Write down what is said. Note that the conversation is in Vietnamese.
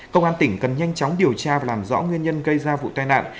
công an tỉnh cần nhanh chóng điều tra và làm rõ nguyên nhân gây ra vụ tai nạn